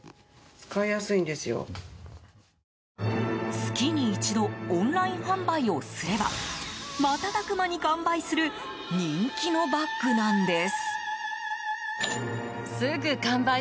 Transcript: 月に一度オンライン販売をすれば瞬く間に完売する人気のバッグなんです。